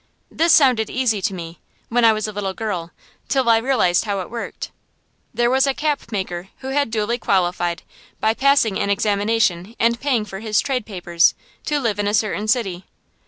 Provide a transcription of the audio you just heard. This sounded easy to me, when I was a little girl, till I realized how it worked. There was a capmaker who had duly qualified, by passing an examination and paying for his trade papers, to live in a certain city.